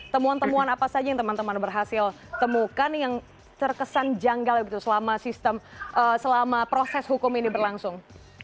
temuan temuan apa saja yang teman teman berhasil temukan yang terkesan janggal selama proses hukum ini berlangsung